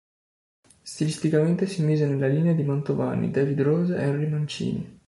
Stilisticamente si mise nella linea di Mantovani, David Rose e Henry Mancini.